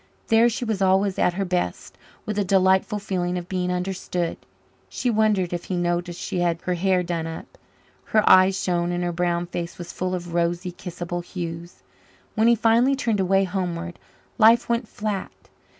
There she was always at her best, with a delightful feeling of being understood. She wondered if he noticed she had her hair done up. Her eyes shone and her brown face was full of rosy, kissable hues. When he finally turned away homeward, life went flat.